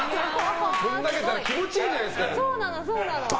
ぶん投げたら気持ちいいじゃないですか。